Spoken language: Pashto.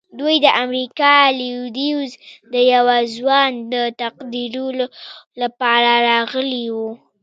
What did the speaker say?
دوی د امريکا د لويديځ د يوه ځوان د تقديرولو لپاره راغلي وو.